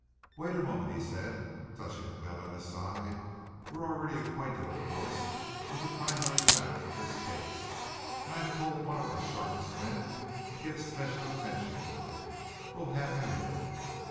"Wait a moment," he said, touching a bell at his side, "we're already acquainted, of course, with the primary facts of this case, and I've told off one of our sharpest men to give special attention to it. We'll have him in."